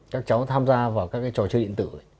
các cháu tham gia vào các cái trò chơi điện tử